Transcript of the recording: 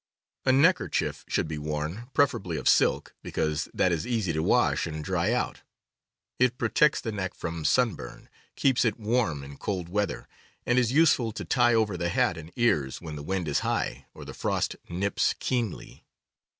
A neckerchief should be worn, preferably of silk, because that is easy to wash and dry out. It protects ff ... f the neck from sunburn, keeps it warm ii6CKercnieis. .,,,,. i> i x i« in cold weather, and is useful to tie over the hat and ears when the wind is high or the frost nips keenly.